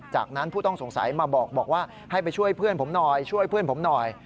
จากนั้นผู้ต้องสงสัยมาบอกบอกว่าให้ไปช่วยเพื่อนผมหน่อย